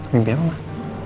mimpi apa mbak